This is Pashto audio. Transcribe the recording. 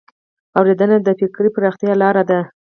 اورېدنه د فکري پراختیا لار ده